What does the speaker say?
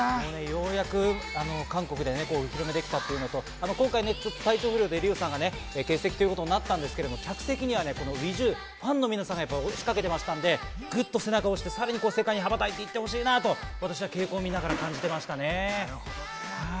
ようやく韓国でお披露目できたのと、今回体調不良でＲＩＯさんが欠席ということでしたが、客席にはＮｉｚｉＵファンの皆さんが押しかけてましたんで、グッと背中を押して、さらに世界に羽ばたいていってほしいなと私は感じましたね。